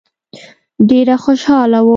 ډېره خوشاله وه.